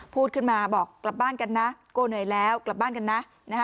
พูดขึ้นมาบอกกลับบ้านกันนะโกเหนื่อยแล้วกลับบ้านกันนะ